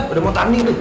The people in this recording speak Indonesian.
udah mau tani tuh